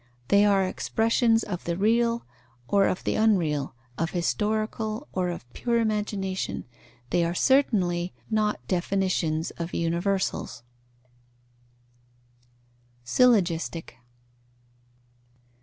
They are expressions of the real or of the unreal, of historical or of pure imagination; they are certainly not definitions of universals. _Syllogistic.